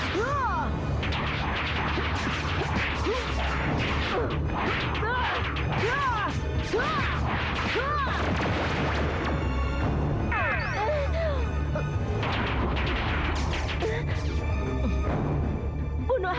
jangan berdiri juma